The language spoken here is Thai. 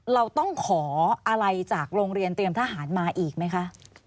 เราต้องขออะไรจากโรงเรียนเตรียมทหารมาอีกไหมคะ